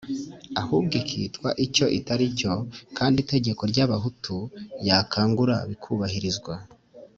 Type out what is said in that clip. ahubwo ikitwa icyo itari cyo kandi itegeko ry’abahutu ya kangura bikubahirizwa.